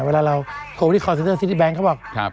เวลาเราโทรโทรที่ซีริเบงก์เขาบอก